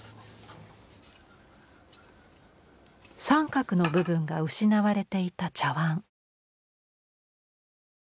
三角の部分が失われていた茶碗。